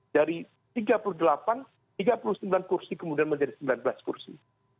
dari tiga puluh delapan tiga puluh sembilan kursi kemudian menjadi sembilan belas kursi